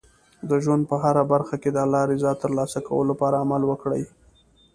د ژوند په هره برخه کې د الله رضا ترلاسه کولو لپاره عمل وکړئ.